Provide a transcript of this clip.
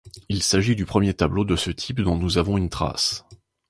Il s'agit du premier tableau de ce type dont nous avons une trace.